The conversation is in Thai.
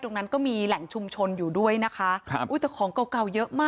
ตรงนั้นก็มีแหล่งชุมชนอยู่ด้วยนะคะ